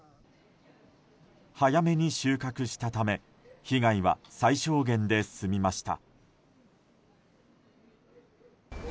早めに収穫したため被害は最小限で済みました。